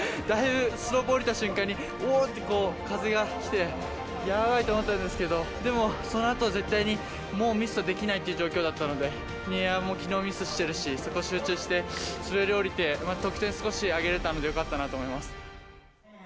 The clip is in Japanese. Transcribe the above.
だいぶ、スロープ下りた瞬間に、おおって風が来て、やばいと思ったんですけど、でも、そのあと絶対に、もうミスはできないという状況だったので、エアもきのうミスしてるし、そこ集中して滑り降りて、得点少し上げれたんで、よかったなと思います。